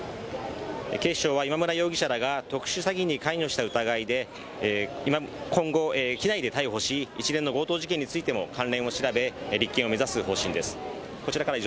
警視庁は今村容疑者らが特殊詐欺に関与した疑いで今後、機内で逮捕し、一連の強盗事件についても関連を調べ立件を目指す方針です。